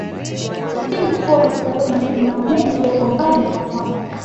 si mkubwa kwa sababu maeneo mengi yako mbali na pwani